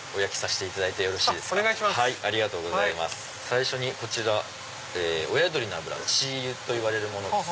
最初にこちらおや鶏の脂鶏油といわれるものです。